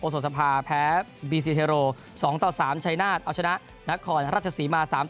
อสสภาแพ้บีซีเทโร๒๓ชัยนาธเอาชนะนักคอนรัชศรีมา๓๑